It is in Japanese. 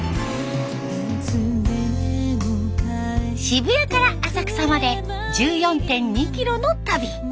渋谷から浅草まで１４．２キロの旅。